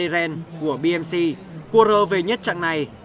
và deren của bmc cua rơ về nhất trạng này